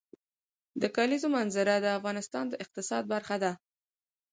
د کلیزو منظره د افغانستان د اقتصاد برخه ده.